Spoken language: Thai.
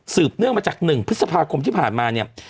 เนื่องมาจาก๑พฤษภาคมที่ผ่านมาเนี่ย